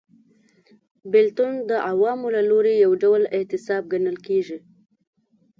بېلتون د عوامو له لوري یو ډول اعتصاب ګڼل کېده